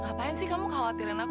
ngapain sih kamu khawatirin aku